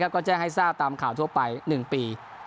ก็แจ้งให้ทราบตามข่าวทั่วไป๑ปี